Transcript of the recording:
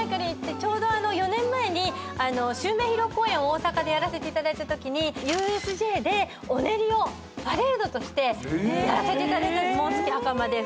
ちょうど４年前に襲名披露公演を大阪でやらせていただいたときにＵＳＪでお練りをパレードとしてやらせていただいたんです。